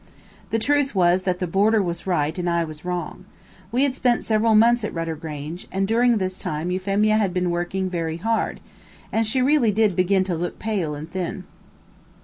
The truth was, that the boarder was right and I was wrong. We had spent several months at Rudder Grange, and during this time Euphemia had been working very hard, and she really did begin to look pale and thin.